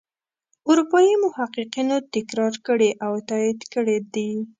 اروپايي محققینو تکرار کړي او تایید کړي دي.